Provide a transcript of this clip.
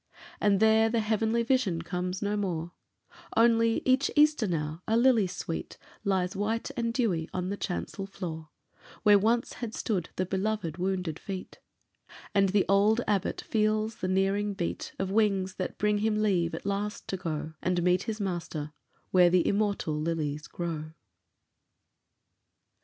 And there the Heavenly vision comes no more, Only, each Easter now, a lily sweet Lies white and dewy on the chancel floor Where once had stood the beloved wounded feet; And the old Abbot feels the nearing beat Of wings that bring him leave at last to go And meet his Master, where the immortal lilies grow.